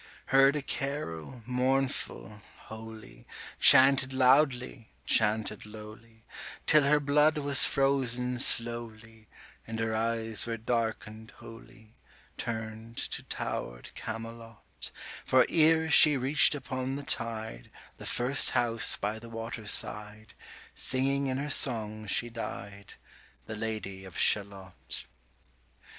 Heard a carol, mournful, holy, 145 Chanted loudly, chanted lowly, Till her blood was frozen slowly, And her eyes were darken'd wholly, Turn'd to tower'd Camelot; For ere she reach'd upon the tide 150 The first house by the water side, Singing in her song she died, The Lady of Shalott.